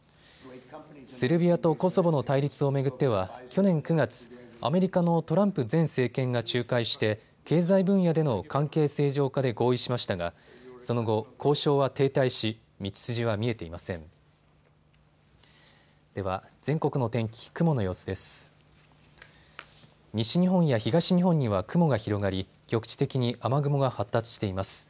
セルビアとコソボの対立を巡っては去年９月、アメリカのトランプ前政権が仲介して経済分野での関係正常化で合意しましたがその後、交渉は停滞し道筋は見えていません。